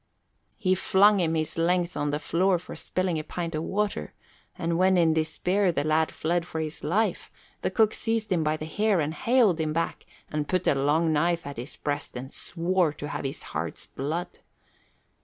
He flung him his length on the floor for spilling a pint of water; and when in despair the lad fled for his life, the cook seized him by the hair and haled him back and put a long knife at his breast and swore to have his heart's blood.